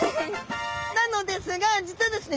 なのですが実はですね